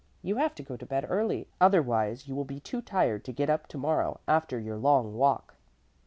You have to go to bed early, otherwise you will be too tired to get up tomorrow after your long walk."